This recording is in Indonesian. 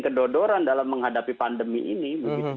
kedodoran dalam menghadapi pandemi ini